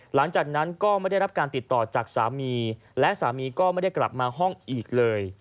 หลังจากนั้นก็ไม่ได้รับการติดต่อจากสามีและสามีก็ไม่ได้กลับมาห้องอีกเลย